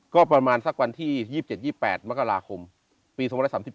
ก็ประมาณสักวันที่๒๗๒๘มคปี๑๙๓๗